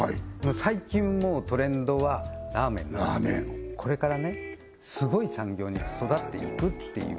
最近もうトレンドはラーメンになってるこれからすごい産業に育っていくっていう